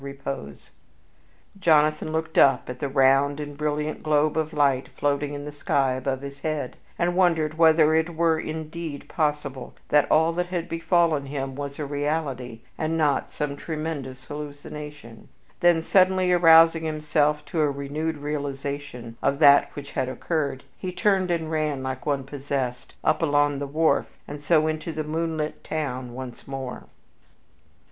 [Illustration: Dead Men Tell No Tales Originally published in COLLIER'S WEEKLY, December 17, 1899] Jonathan looked up at the round and brilliant globe of light floating in the sky above his head, and wondered whether it were, indeed, possible that all that had befallen him was a reality and not some tremendous hallucination. Then suddenly arousing himself to a renewed realization of that which had occurred, he turned and ran like one possessed, up along the wharf, and so into the moonlit town once more.